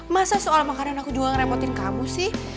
masa soal makanan aku juga ngerepotin kamu sih